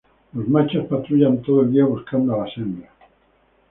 Los machos patrullan todo el día buscando a las hembras.